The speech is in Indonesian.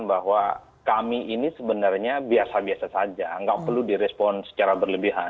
bahkan kita stem set